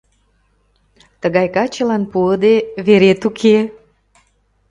— Тыгай качылан пуыде верет уке!